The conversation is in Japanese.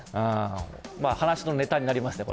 話のネタになります。